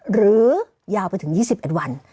หรือยาวไปถึง๒๑วัน